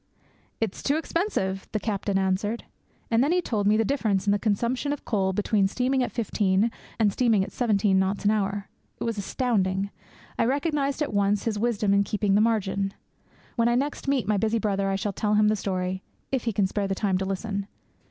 'It is too expensive!' the captain answered. And then he told me the difference in the consumption of coal between steaming at fifteen and steaming at seventeen knots an hour. It was astounding. I recognized at once his wisdom in keeping the margin. When I next meet my busy brother, I shall tell him the story if he can spare the time to listen.